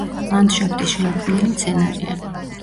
ლანდშაფტის შემქმნელი მცენარეა.